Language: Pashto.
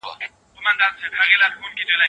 ایا د جګړې او سولې رومان یوه حماسه ده؟